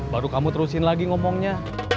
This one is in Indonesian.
baru kamu terusin lagi ngomongnya